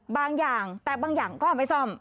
บางอย่างแต่บางอย่างก็ไม่ซ่อม